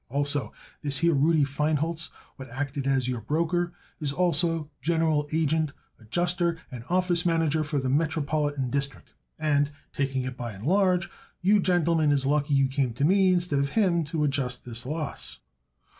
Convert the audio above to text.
Also, this here Rudy Feinholz what acted as your broker is also general agent, adjuster and office manager for the Metropolitan District; and, taking it by and large, youse gentlemen is lucky you come to me instead of him to adjust this loss."